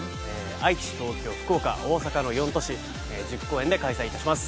愛知東京福岡大阪の４都市１０公演で開催いたします